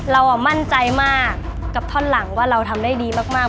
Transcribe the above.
เรามั่นใจมากกับท่อนหลังว่าเราทำได้ดีมาก